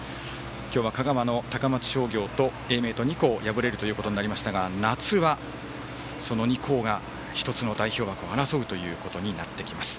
今日は香川の高松商業と英明と２校敗れるということになりましたが夏は、その２校が１つの代表枠を争うことになります。